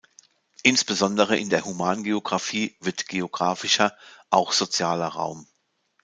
Insbesondere in der Humangeographie wird geographischer auch "sozialer Raum".